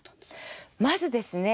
まずですね